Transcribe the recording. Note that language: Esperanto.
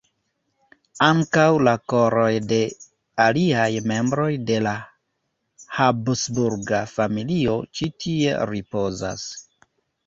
Ankaŭ la koroj de aliaj membroj de la habsburga familio ĉi tie ripozas.